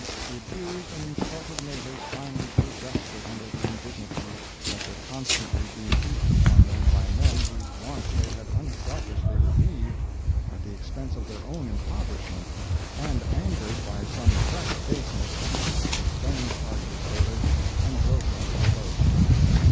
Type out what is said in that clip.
The abused and insulted natives finally grew desperate under the indignities that were constantly being heaped upon them by men whose wants they had unselfishly relieved at the expense of their own impoverishment, and angered by some fresh baseness, they stoned a party of sailors and drove them to their boats.